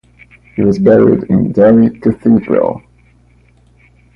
He was buried in Derry Cathedral.